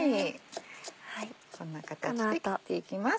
こんな形で切っていきます。